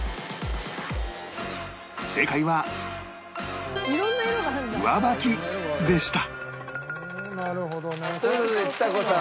正解は上履きでしたという事でちさ子さん